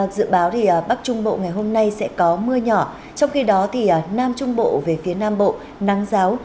dự báo bắc trung bộ ngày hôm nay sẽ có mưa nhỏ trong khi đó thì nam trung bộ về phía nam bộ nắng giáo